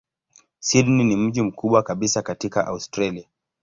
Sydney ni mji mkubwa kabisa katika Australia.